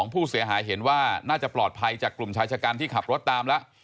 ผู้เสียหายเห็นว่าน่าจะปลอดภัยจากกลุ่มชายชะกันที่ขับรถตามแล้ว